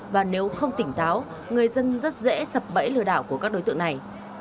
và nếu không tỉnh táo người dân rất dễ sập bẫy lừa đảo của các đối tượng này